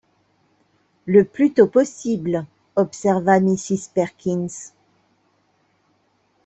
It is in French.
Le plus tôt possible, observa Mrs Perkins.